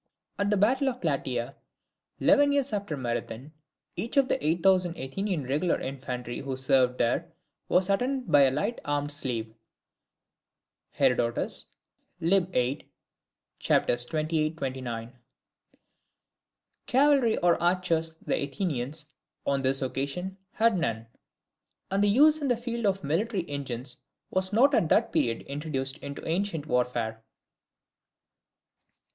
[At the battle of Plataea, eleven years after Marathon, each of the eight thousand Athenian regular infantry who served there, was attended by a light armed slave. (Herod. lib. viii. c. 28,29.)] Cavalry or archers the Athenians (on this occasion) had none: and the use in the field of military engines was not at that period introduced into ancient warfare.